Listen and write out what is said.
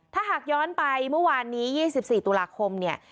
ถ้าหากย้อนไปเมื่อวานนี้ยี่สิบสี่ตุลาคมเนี่ย